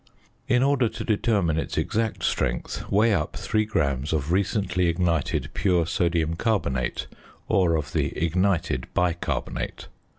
In order to determine its exact strength, weigh up 3 grams of recently ignited pure sodium carbonate or of the ignited bicarbonate.